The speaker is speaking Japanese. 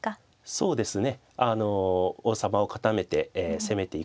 そうですね